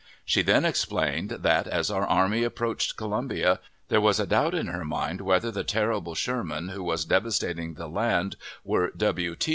She then explained that, as our army approached Columbia, there was a doubt in her mind whether the terrible Sherman who was devastating the land were W. T.